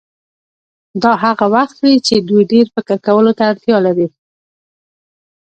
دا هغه وخت وي چې دوی ډېر فکر کولو ته اړتیا لري.